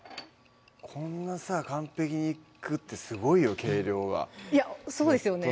こんなさ完璧にいくってすごいよ計量がそうですよね